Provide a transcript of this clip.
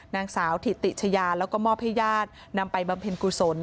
นางสาวถิติชายาแล้วก็มอบให้ญาตินำไปบำเพ็ญกุศล